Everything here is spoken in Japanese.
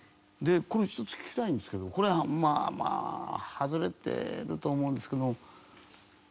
でこれ一つ聞きたいんですけどこれまあまあ外れてると思うんですけれども。